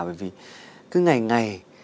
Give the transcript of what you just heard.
bởi vì cứ ngày ngày